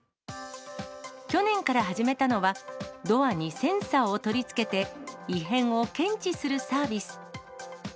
去年から始めたのは、ドアにセンサーを取り付けて、異変を検知するサービス。